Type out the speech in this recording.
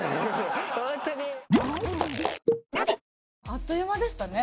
あっという間でしたね。